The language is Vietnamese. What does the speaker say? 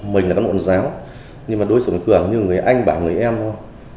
mình là cán bộ giáo nhưng mà đối xử với cường như người anh bạn người em thôi